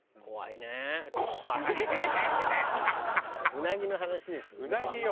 うなぎの話ですよ。